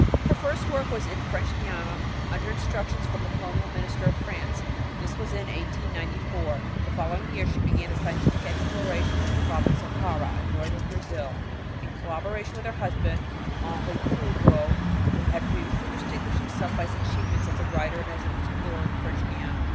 Her first work was in French Guiana, under instructions from the colonial minister of France. This was in 1894. The following year she began the scientific exploration of the province of Pará in northern Brazil, in collaboration with her husband, Henri Coudreau, who had previously distinguished himself by his achievements as a writer and as an explorer in French Guiana.